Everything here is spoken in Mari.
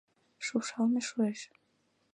Шупшалме шуэш.